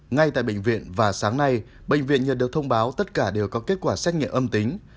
ngay tại bệnh viện và sáng nay bệnh viện nhận được thông báo tất cả đều có kết quả xét nghiệm âm tính